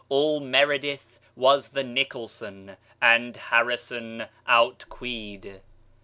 All meredith was the nicholson, And harrison outqueed.